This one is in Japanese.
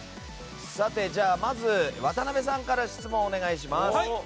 まず、渡辺さんから質問をお願いします。